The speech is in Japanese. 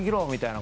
な